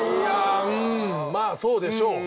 まぁそうでしょう。